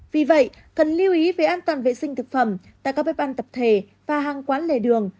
vì vậy cần lưu ý về an toàn vệ sinh thực phẩm tại các bếp ăn tập thể và hàng quán lề đường